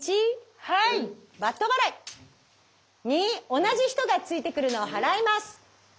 ２同じ人が突いてくるのを払います。